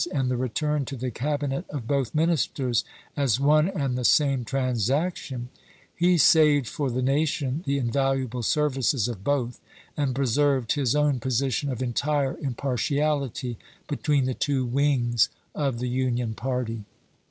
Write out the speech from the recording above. and the return to the Cabinet of both ministers as one and the same transaction he saved for the nation the invakiable services of both, and preserved his own position of entire impartiality between the two wings of the Union party.